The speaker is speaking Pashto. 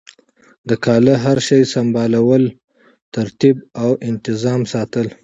د کاله هر شی سمبالول ترتیب او انتظام ساتل